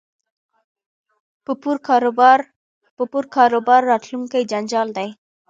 په پور کاروبار راتلونکی جنجال دی